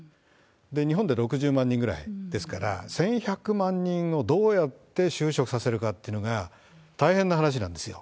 日本で６０万人ぐらいですから、１１００万人をどうやって就職させるかっていうのが、大変な話なんですよ。